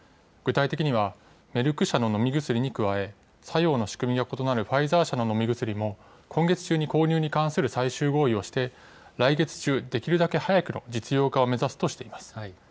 具体的にはメルク社の飲み薬に加え、作用の仕組みの異なるファイザー社の飲み薬も、今月中に購入に関する最終合意をして、来月中、できるだけ早くの実用化を目指すとしています。